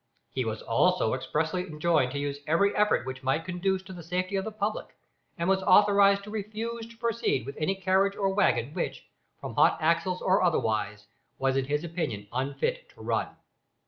He was also earnestly enjoined to use every effort which might conduce to the safety of the public, and was authorised to refuse to proceed with any carriage or waggon which, from hot axles or otherwise, was in his opinion unfit to run.